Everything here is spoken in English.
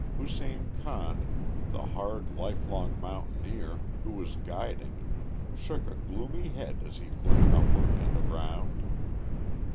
Hussein Khan, the hard, lifelong mountaineer, who was guiding, shook a gloomy head as he looked upward and around.